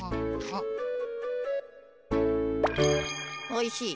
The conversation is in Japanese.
おいしい。